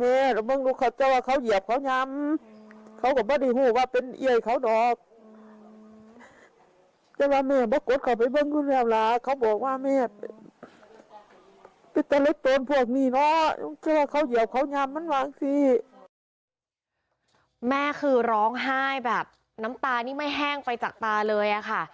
แม่คือร้องไห้แบบน้ำตานี่ไม่แห้งไปจากตาเลยค่ะ